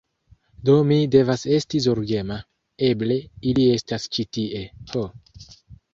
Do mi devas esti zorgema. Eble ili estas ĉi tie! Ho!